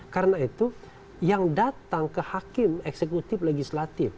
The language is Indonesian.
karena itu yang datang ke hakim eksekutif legislatif